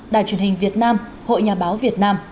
đài truyền hình việt nam hội nhà báo việt nam